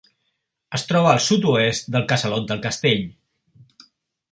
Es troba al sud-oest del Casalot del Castell.